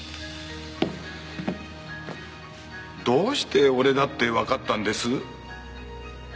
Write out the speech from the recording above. どうして俺だってわかったんです？